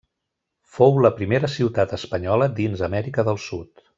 Fou la primera ciutat espanyola dins Amèrica del Sud.